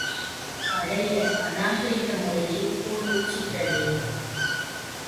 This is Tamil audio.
பழைய அநாகரிக முறையே கோலோச்சுகிறதே!